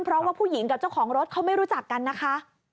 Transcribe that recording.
เพราะว่าผู้หญิงกับเจ้าของรถเขาไม่รู้จักกันนะคะ